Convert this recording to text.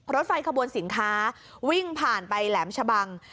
รถไฟขบวนสินค้าวิ่งผ่านไปแหลมชะบัง